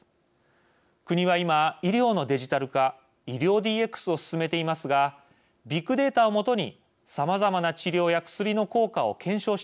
国は今医療のデジタル化医療ＤＸを進めていますがビッグデータを基にさまざまな治療や薬の効果を検証していく。